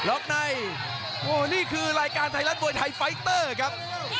โอ้โหนี่คือรายการไทรรัสโดยไทรไฟเตอร์ครับ